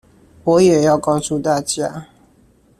我也要告訴大家